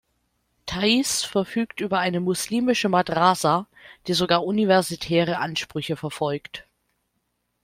Taizz verfügt über eine muslimische Madrasa, die sogar universitäre Ansprüche verfolgt.